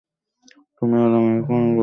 তুমি আর আমি এখান থেকে এখনই চলে যাব, বুঝেছ?